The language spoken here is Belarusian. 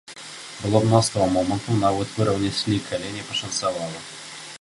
Было мноства момантаў нават выраўняць лік, але не пашанцавала.